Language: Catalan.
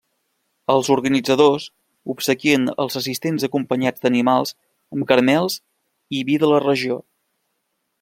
Els organitzadors obsequien els assistents acompanyats d'animals amb caramels i vi de la regió.